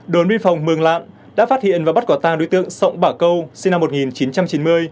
đồn biên phòng mường lạn đã phát hiện và bắt có ba đối tượng sông bả câu sinh năm một nghìn chín trăm chín mươi